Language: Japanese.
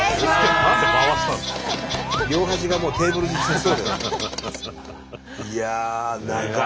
両端がもうテーブルにつきそうだよ。